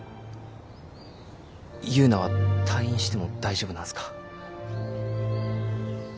ユウナは退院しても大丈夫なんすか？